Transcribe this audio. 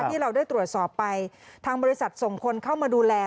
ที่เราได้ตรวจสอบไปทางบริษัทส่งคนเข้ามาดูแล